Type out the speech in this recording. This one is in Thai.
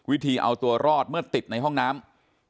วิธีเอาตัวรอดเมื่อติดในห้องน้ำ